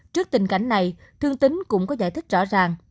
trước tình cảnh này thương tính cũng có giải thích rõ ràng